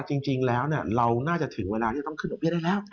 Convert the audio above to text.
จริงแล้วเราน่าจะถึงเวลาที่จะต้องขึ้นดอกเบี้ได้แล้ว